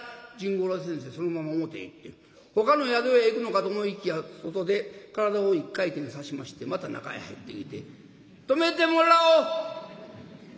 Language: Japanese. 甚五郎先生そのまま表へ行ってほかの宿屋へ行くのかと思いきや外で体を１回転させましてまた中へ入ってきて「泊めてもらおう！」。